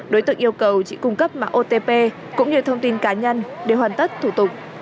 đối tượng yêu cầu chị cung cấp mạng otp cũng như thông tin cá nhân để hoàn tất thủ tục